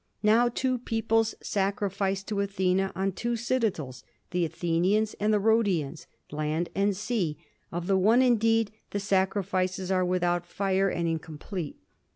Now two peoples sacrifice to Athena on two citadels, the Athenians and the Rhodians, land and sea; of the one indeed the sacrifices are without fire and incomplete.